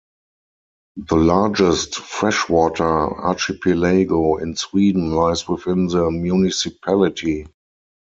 The largest fresh water archipelago in Sweden lies within the municipality.